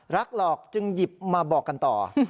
หลอกจึงหยิบมาบอกกันต่อ